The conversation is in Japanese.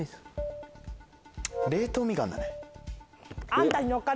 冷凍みかんだね。